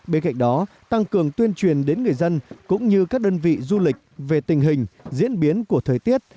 bên cạnh đó tăng cường tuyên truyền đến người dân cũng như các đơn vị du lịch về tình hình diễn biến của thời tiết